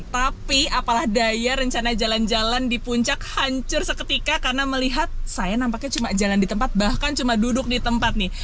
tapi apalah daya rencana jalan jalan di puncak hancur seketika karena melihat saya nampaknya cuma jalan di tempat bahkan cuma duduk di tempat nih